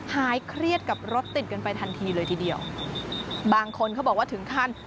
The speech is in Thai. หายเครียดกับรถติดกันไปทันทีเลยทีเดียวบางคนเขาบอกว่าถึงขั้น